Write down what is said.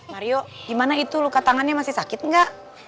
mario gimana itu luka tangannya masih sakit nggak